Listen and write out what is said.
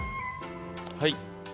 はい。